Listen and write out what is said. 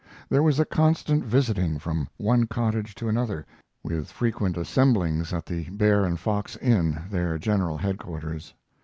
There was a constant visiting from one cottage to another, with frequent assemblings at the Bear and Fox Inn, their general headquarters.